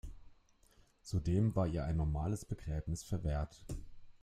Zudem war ihr ein normales Begräbnis verwehrt.